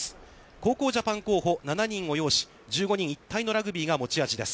高校ジャパン候補７人を擁し、１５人一体のラグビーが持ち味です。